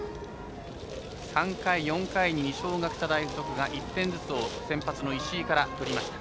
３回、４回に二松学舎大付属が１点ずつ先発の石井から取りました。